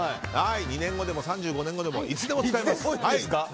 ２年後でも３５年後でも、いつでも使えます。